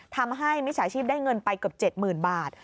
มิจฉาชีพได้เงินไปเกือบ๗๐๐๐บาท